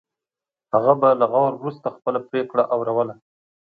هغه به له غور وروسته خپله پرېکړه اوروله.